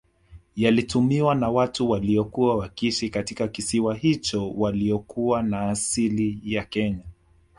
Yalitumiwa na watu waliokuwa wakiishi katika kisiwa hicho waliokuwa na asili ya Kenya